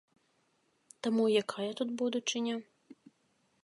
Таму якая тут будучыня?